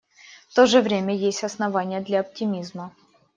В то же время есть основания для оптимизма.